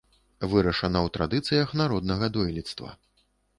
Вырашана ў традыцыях народнага дойлідства.